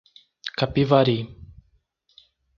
Capivari